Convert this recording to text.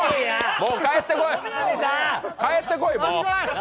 もう帰ってこい！